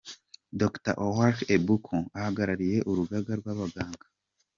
Dr Okwaro Ebuku ahagarariye urugaga rw’abaganga.